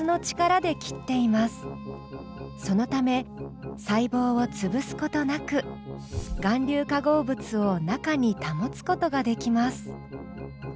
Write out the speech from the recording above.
そのため細胞を潰すことなく含硫化合物を中に保つことができます。